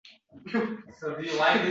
Kitob tushkun kayfiyatni koʻtaradi